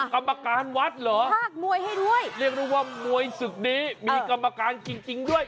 กรรมการวัดเหรอเรียกได้ว่ามวยศึกดีมีกรรมการจริงด้วย